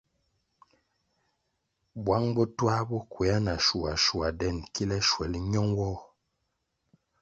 Bwang bo twā bo kwea na shua shua den kile shuel ño nwoh.